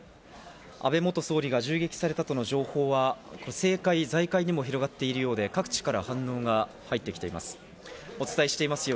安倍元総理が銃撃されたとの情報は政界、財界にも広がっているようで、各地から反応が入ってきています。